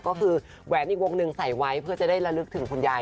ก็คือแหวนอีกวงหนึ่งใส่ไว้เพื่อจะได้ระลึกถึงคุณยาย